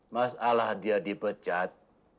masalah dia dipecat